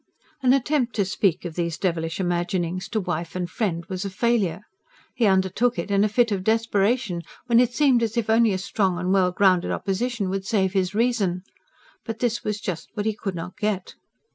An attempt to speak of these devilish imaginings to wife and friend was a failure. He undertook it in a fit of desperation, when it seemed as if only a strong and well grounded opposition would save his reason. But this was just what he could not get.